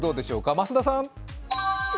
増田さん。